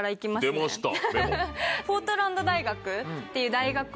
出ました！